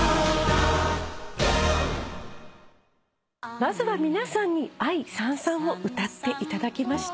まずは皆さんに『愛燦燦』を歌っていただきました。